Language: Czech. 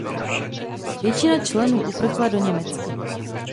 Většina členů uprchla do Německa.